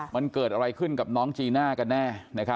มันเกิดอะไรขึ้นกับน้องจีน่ากันแน่